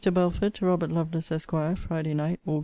BELFORD, TO ROBERT LOVELACE, ESQ. FRIDAY NIGHT, AUG.